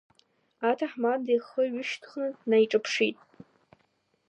Аҭаҳмада ихы ҩышьҭыхны днеиҿаԥшит.